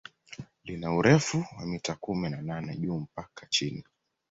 Lina urefu wa mita kumi na nane juu mpaka chini